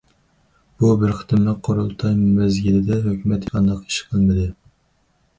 بۇ بىر قېتىملىق قۇرۇلتاي مەزگىلىدە، ھۆكۈمەت ھېچقانداق ئىش قىلمىدى.